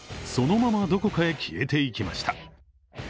そのままどこかへ消えていきました。